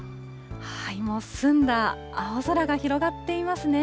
もう澄んだ青空が広がっていますね。